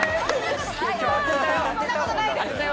そんなことないです。